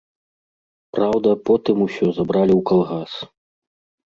Праўда, потым усё забралі ў калгас.